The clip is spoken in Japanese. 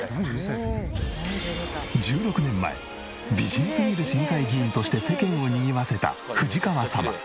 １６年前美人すぎる市議会議員として世間をにぎわせた藤川様。